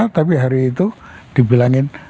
tapi hari itu dibilangin